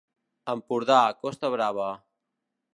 Empordà Costa Brava.